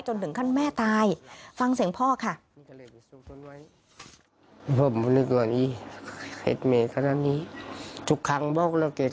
ถึงขั้นแม่ตายฟังเสียงพ่อค่ะ